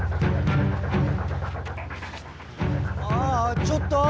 ⁉ああちょっとぉ！